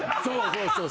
そうそう。